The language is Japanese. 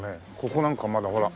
ここなんかまだほら！